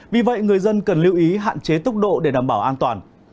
vì vậy người dân cần lưu ý hạn chế tốc độ để đảm bảo an toàn